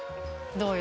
どうよ？